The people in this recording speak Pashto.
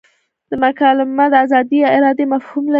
دا مکالمه د ازادې ارادې مفهوم لري.